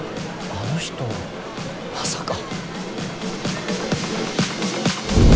あの人まさか。